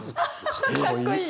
かっこいい！